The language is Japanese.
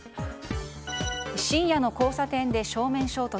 深夜の交差点で正面衝突。